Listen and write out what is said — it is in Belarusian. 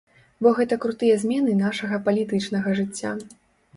Бо гэта крутыя змены нашага палітычнага жыцця.